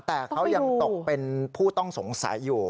แต่เขายังตกเป็นผู้ต้องสงสัยอยู่